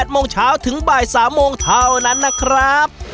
โมงเช้าถึงบ่าย๓โมงเท่านั้นนะครับ